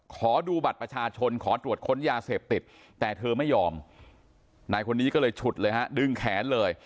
ขอดูบัตรประชาชนขอตรวจค้นยาเสพติดแต่เธอไม่ยอมนายคนนี้ก็เลยฉุดเลยฮะดึงแขนเลย